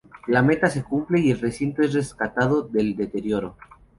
La meta se cumple y el recinto es rescatado del deterioro.